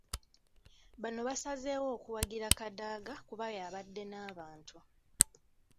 Bano baasazeewo okuwagira Kadaga kuba yabadde n’abantu.